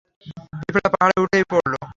পিঁপড়া পাহাড়ে উঠেই পড়লো।